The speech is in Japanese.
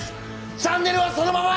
チャンネルはそのまま！